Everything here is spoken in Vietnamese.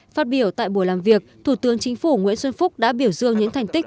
phát biểu tại buổi làm việc thủ tướng chính phủ nguyễn xuân phúc đã biểu dương những thành tích